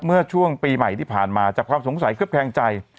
เมื่อช่วงปีใหม่ที่ผ่านมาจากความสงสัยเคลือบแคลงใจ